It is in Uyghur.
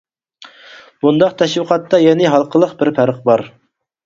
بۇنداق تەشۋىقاتتا يەنە ھالقىلىق بىر پەرق بار.